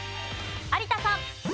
有田さん。